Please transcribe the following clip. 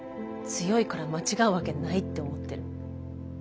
強いから間違うわけないって思ってる。